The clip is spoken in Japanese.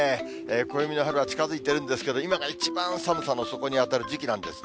暦の春は近づいているんですけれども、今が一番、寒さの底に当たる時期なんですね。